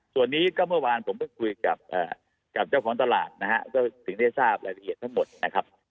ส่วนนี้ก็เมื่อวานผมก็คุยกับเจ้าของตลาดนะฮะก็ถึงได้ทราบรายละเอียดทั้งหมดนะครับ